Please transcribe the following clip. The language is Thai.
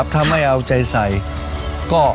ถ้าไม่เอาใจใส่ก็